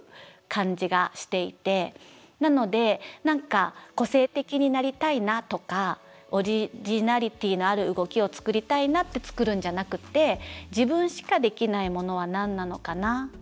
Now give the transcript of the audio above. なので何か個性的になりたいなとかオリジナリティーのある動きを作りたいなって作るんじゃなくて自分しかできないものは何なのかな。